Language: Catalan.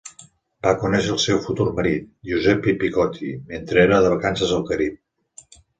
Va conèixer el seu futur marit, Giuseppe Piccotti, mentre era de vacances al Carib.